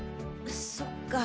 そっか。